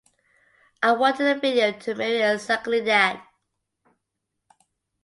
I wanted the video to mirror exactly that.